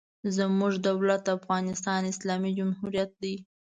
زموږ دولت د افغانستان اسلامي جمهوریت دی.